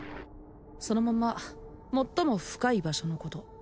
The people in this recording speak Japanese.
そのまんま最も深い場所のこと